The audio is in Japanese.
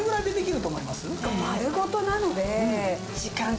丸ごとなので。